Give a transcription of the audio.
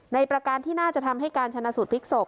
ประการที่น่าจะทำให้การชนะสูตรพลิกศพ